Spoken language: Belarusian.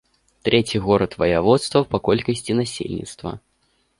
Трэці горад ваяводства па колькасці насельніцтва.